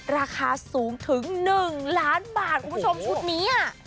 ราคาสูงถึง๑ล้านบาทคุณผู้ชมชุดนี้